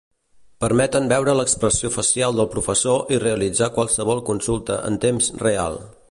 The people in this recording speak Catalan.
Permeten veure l'expressió facial del professor i realitzar qualsevol consulta en temps real.